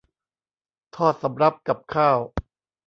ทอดสำรับกับข้าว